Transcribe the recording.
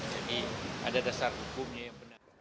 jadi ada dasar hukumnya yang benar